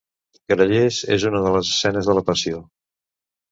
Grallers en una de les escenes de la Passió.